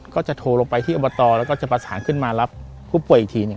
ก็จะโทรลงไปที่อบตแล้วก็จะประสานขึ้นมารับผู้ป่วยอีกทีหนึ่ง